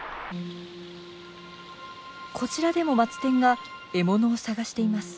こちらでもマツテンが獲物を探しています。